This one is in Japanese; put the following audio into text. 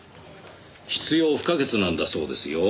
必要不可欠なんだそうですよ。